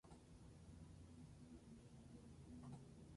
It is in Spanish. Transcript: Jugaba de delantero y su primer club fue Montevideo Wanderers.